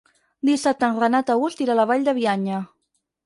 Dissabte en Renat August irà a la Vall de Bianya.